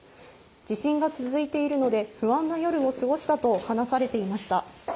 地震が続いているので、不安な夜を過ごしたと話されていました。